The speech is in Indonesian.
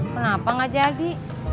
kenapa gak jadi